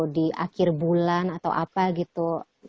di akhir bulan atau apa gitu